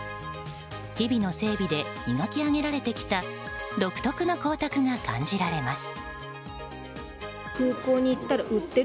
日々の整備で磨き上げられてきた独特の光沢が感じられます。